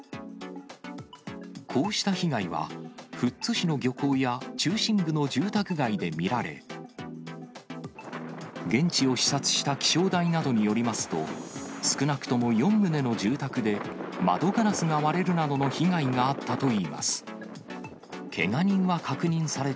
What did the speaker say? こうした被害は富津市の漁港や、中心部の住宅街で見られ、現地を視察した気象台などによりますと、少なくとも４棟の住宅で、窓ガラスが割れるなどの被害があったといいます。